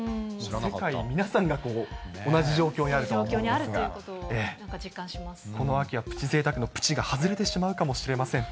世界の皆さんが同じ状況にあ状況にあるということ、この秋はプチぜいたくのプチが外れてしまうかもしれません。